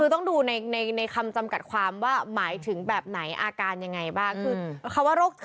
คือต้องดูในคำจำกัดความว่าหมายถึงแบบไหนอาการยังไงบ้าง